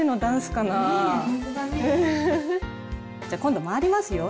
じゃ今度回りますよ。